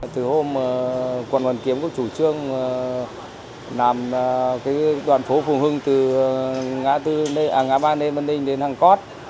từ hôm quận hoàn kiếm có chủ trương làm đoàn phố phùng hưng từ ngã ba lê văn ninh đến hàng cót